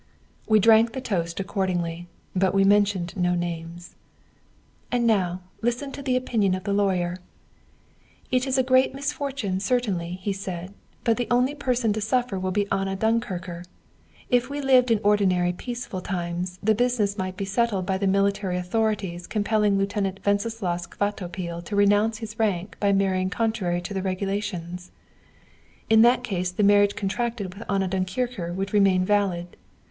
We drank the toast accordingly, but we mentioned no names. "And now listen to the opinion of the lawyer: "'It is a great misfortune, certainly,' he said, 'but the only person to suffer will be Anna Dunkircher. If we lived in ordinary peaceful times, the business might be settled by the military authorities compelling Lieutenant Wenceslaus Kvatopil to renounce his rank by marrying contrary to the regulations. In that case the marriage contracted with Anna Dunkircher would remain valid.